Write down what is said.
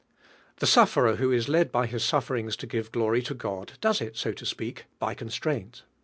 The sufferer who is led by his sufferings !<> give glory to God, does it, so to speak, by constraint.